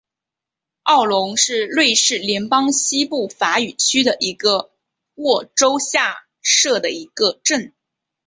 奥龙是瑞士联邦西部法语区的沃州下设的一个镇。